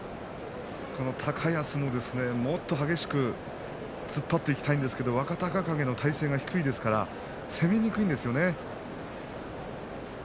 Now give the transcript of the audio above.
高安ももっと激しく突っ張っていきたいんですが若隆景の体勢が低いので攻めにくいんですよね。